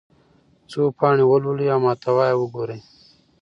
څو پاڼې ولولئ او محتوا یې وګورئ.